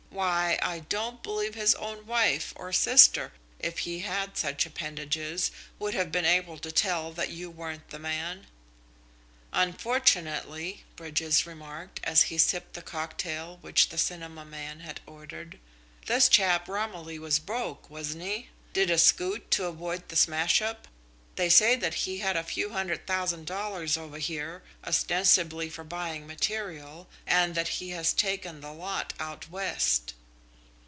Why, I don't believe his own wife or sister, if he had such appendages, would have been able to tell that you weren't the man." "Unfortunately," Bridges remarked, as he sipped the cocktail which the cinema man had ordered, "this chap Romilly was broke, wasn't he? did a scoot to avoid the smash up? They say that he had a few hundred thousand dollars over here, ostensibly for buying material, and that he has taken the lot out West."